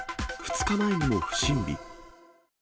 ２日前にも不審火。